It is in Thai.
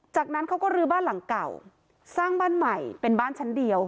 จากนั้นเขาก็ลื้อบ้านหลังเก่าสร้างบ้านใหม่เป็นบ้านชั้นเดียว